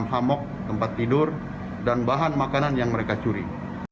hamok tempat tidur dan bahan makanan yang mereka curi